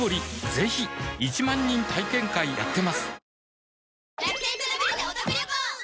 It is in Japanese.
ぜひ１万人体験会やってますはぁ。